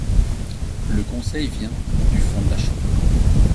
Le conseil vient du fond de la chambre.